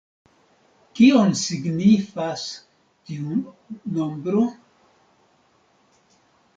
Kion signifas tiu nombro?